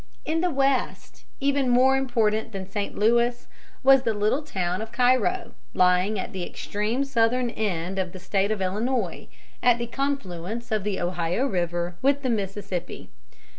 In the West, even more important than St. Louis was the little town of Cairo, lying at the extreme southern end of the State of Illinois, at the confluence of the Ohio River with the Mississippi.